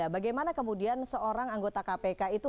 bagaimana kemudian seorang anggota kpk itu